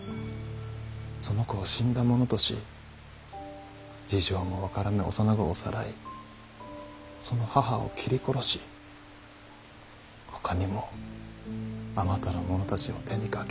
その子を死んだ者とし事情も分からぬ幼子をさらいその母を切り殺しほかにもあまたの者たちを手にかけ。